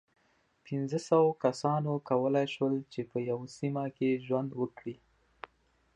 پينځو سوو کسانو کولی شول، چې په یوه سیمه کې ژوند وکړي.